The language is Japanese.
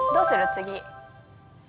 次。